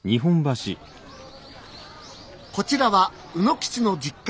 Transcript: こちらは卯之吉の実家。